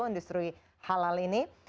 industri halal ini